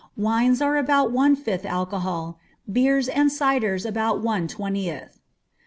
Wines are about one fifth alcohol, beers and cider about one twentieth.